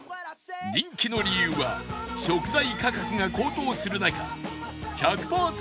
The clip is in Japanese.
人気の理由は食材価格が高騰する中１００パーセント